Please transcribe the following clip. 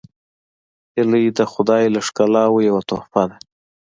هیلۍ د خدای له ښکلاوو یوه تحفه ده